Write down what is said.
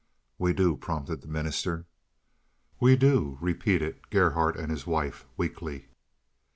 "We do," prompted the minister. "We do," repeated Gerhardt and his wife weakly.